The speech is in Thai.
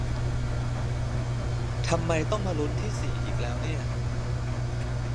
ทำไมต้องมาลุ้นที่สี่อีกแล้วเนี่ย